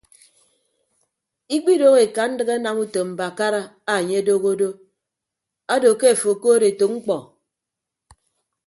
Ikpidoho ekandịk anam utom mbakara anye adoho do ado ke afo okood etәk mkpọ.